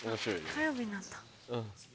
火曜日になった。